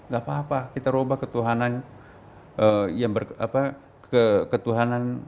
gak apa apa kita ubah ketuhanan